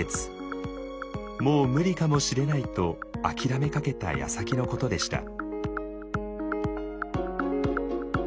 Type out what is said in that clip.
もう無理かもしれないと諦めかけたやさきのことでした。